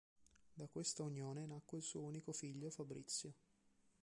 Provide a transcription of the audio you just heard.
Da questa unione nacque il suo unico figlio Fabrizio.